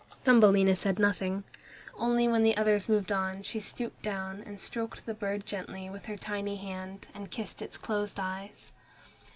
Thumbelina said nothing. Only when the others moved on, she stooped down and stroked the bird gently with her tiny hand, and kissed its closed eyes.